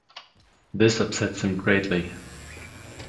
This upsets him greatly.